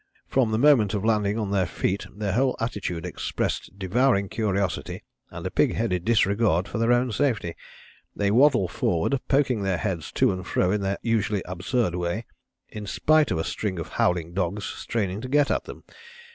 From the moment of landing on their feet their whole attitude expressed devouring curiosity and a pig headed disregard for their own safety. They waddle forward, poking their heads to and fro in their usually absurd way, in spite of a string of howling dogs straining to get at them.